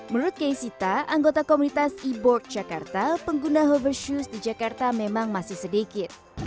menurut key sita anggota komunitas e board jakarta pengguna hover shoes di jakarta memang masih sedikit